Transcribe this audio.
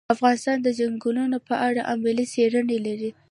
افغانستان د چنګلونه په اړه علمي څېړنې لري.